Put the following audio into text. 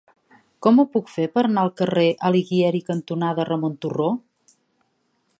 Com ho puc fer per anar al carrer Alighieri cantonada Ramon Turró?